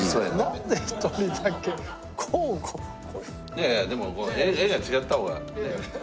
いやいやでも画が違った方が。